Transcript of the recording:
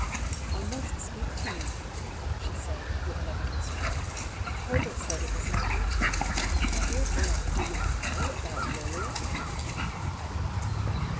" I must speak to you, Hugh," she said, with an evi dent struggle ;" Herbert said it was my duty. My dear boy, do you know about Lilia